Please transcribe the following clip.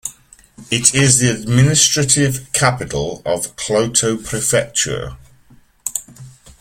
It is the administrative capital of Kloto Prefecture.